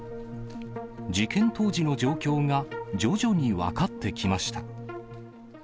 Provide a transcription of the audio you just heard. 事件当時の状況が徐々に分かってきました。